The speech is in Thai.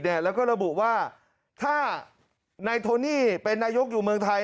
แล้วก็ระบุว่าถ้านายโทนี่เป็นนายกอยู่เมืองไทย